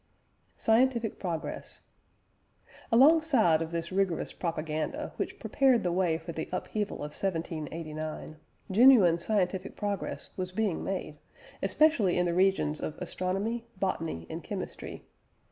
" SCIENTIFIC PROGRESS. Alongside of this rigorous propaganda, which prepared the way for the upheaval of 1789, genuine scientific progress was being made, especially in the regions of Astronomy, Botany and Chemistry.